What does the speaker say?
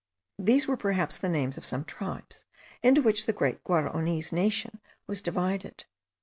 These were perhaps the names of some tribes, into which the great Guaraonese nation was divided.